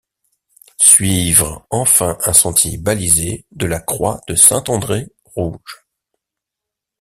Suivre enfin un sentier balisé de la croix de Saint-André rouge.